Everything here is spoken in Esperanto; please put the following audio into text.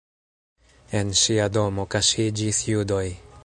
En ŝia domo kaŝiĝis judoj.